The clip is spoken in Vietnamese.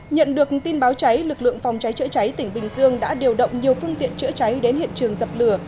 nhận được tin báo cháy lực lượng phòng cháy chữa cháy tỉnh bình dương đã điều động nhiều phương tiện chữa cháy đến hiện trường dập lửa